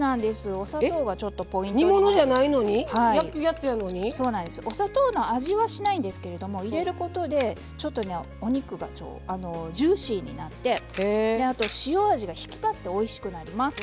お砂糖の味はしないんですけど入れることでちょっとお肉がジューシーになってあと塩味が引き立っておいしくなります。